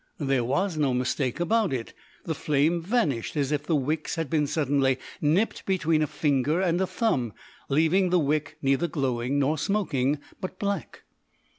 There was no mistake about it. The flame vanished, as if the wicks had been suddenly nipped between a finger and a thumb, leaving the wick neither glowing nor smoking, but black.